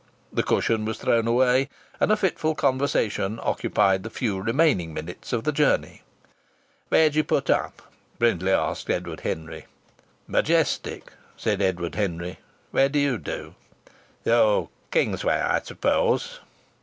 The cushion was thrown away and a fitful conversation occupied the few remaining minutes of the journey. "Where do you put up?" Brindley asked Edward Henry. "Majestic," said Edward Henry. "Where do you?" "Oh! Kingsway, I suppose."